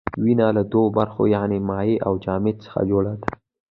وینه له دوو برخو یعنې مایع او جامد څخه جوړه ده.